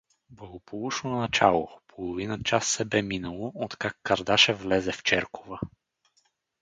Благополучно начало Половина час се бе минало, откак Кардашев влезе в черкова.